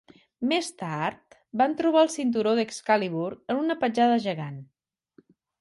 Més tard, van trobar el cinturó d"Excalibur en una petjada gegant.